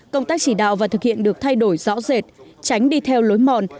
công tác chỉ đạo và thực hiện được thay đổi rõ rệt tránh đi theo lối mòn